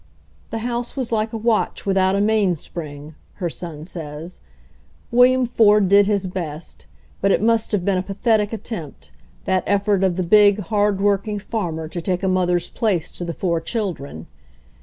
"The house was like a watch without a mainspring," her son says. William Ford did his best, but it must have been a pa thetic attempt, that effort of the big, hardworking farmer to take a mother's place to the four chil dren.